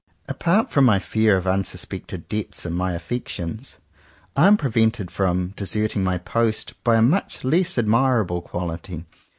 Apart from my fear of unsuspected depths in my affections, I am prevented from deserting my post by a much less admirable quality.